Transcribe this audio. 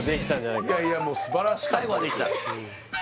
いやいやもう素晴らしかったです